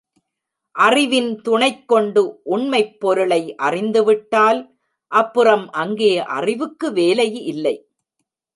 அறிவின் துணைக் கொண்டு, உண்மைப் பொருளை அறிந்துவிட்டால், அப்புறம் அங்கே அறிவுக்கு வேலை இல்லை.